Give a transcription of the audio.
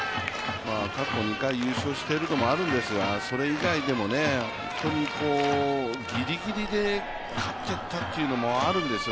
過去２回優勝していることもあるんですがそれ以外でもギリギリで勝っていったというのもあるんですよ。